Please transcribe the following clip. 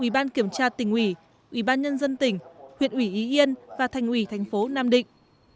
ủy ban kiểm tra tỉnh ủy ủy ban nhân dân tỉnh huyện ủy ý yên và thành ủy thành phố nam định